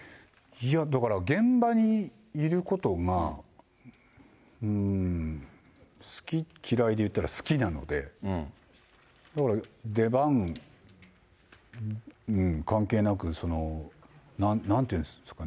いや、だから、現場にいることが好き嫌いで言ったら好きなので、だから出番関係なく、なんていうんですかね、